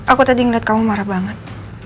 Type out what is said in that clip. aku tadi ngeliat kamu marah banget